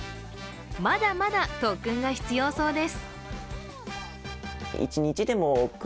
まだまだ特訓が必要そうです。